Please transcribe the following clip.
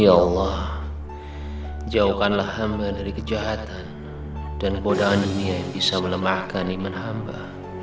ya allah jauhkanlah hamba dari kejahatan dan godaan dunia yang bisa melemahkan iman hamba